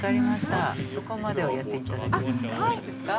◆そこまではやっていただけるんですか。